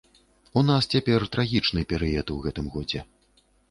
У нас цяпер трагічны перыяд у гэтым годзе.